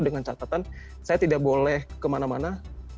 dengan catatan saya tidak boleh kemana mana